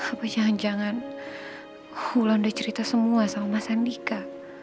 apa jangan jangan hulon udah cerita semua sama mas andika